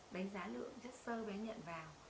đánh giá lượng chất sơ bé nhận vào